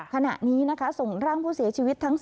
ขณะนี้นะคะส่งร่างผู้เสียชีวิตทั้ง๓